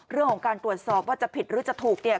เรื่องของการตรวจสอบว่าจะผิดหรือจะถูกเนี่ย